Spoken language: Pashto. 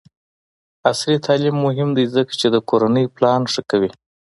عصري تعلیم مهم دی ځکه چې د کورنۍ پلان ښه کوي.